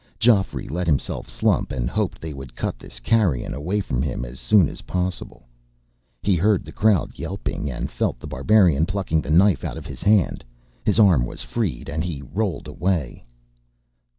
Geoffrey let himself slump, and hoped they would cut this carrion away from him as soon as possible. He heard the crowd yelping, and felt The Barbarian plucking the knife out of his hand. His arm was freed, and he rolled away.